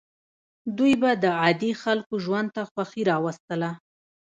دوی به د عادي خلکو ژوند ته خوښي راوستله.